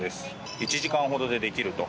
１時間ほどでできると。